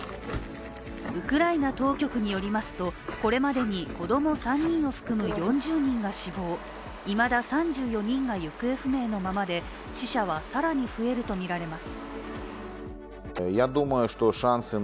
ウクライナ当局によりますとこれまでに子供３人を含む４０人が死亡いまだ３４人が行方不明のままで死者は更に増えるとみられます。